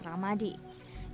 jil fitri harus berkali kali